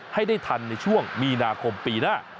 ให้ได้ทันในช่วงมีนาคมปีหน้า